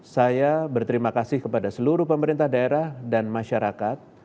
saya berterima kasih kepada seluruh pemerintah daerah dan masyarakat